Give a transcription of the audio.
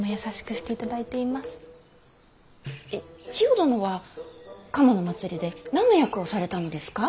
えっ千世殿は賀茂の祭りで何の役をされたのですか。